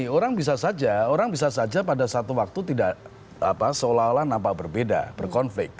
orang bisa saja orang bisa saja pada satu waktu tidak seolah olah nampak berbeda berkonflik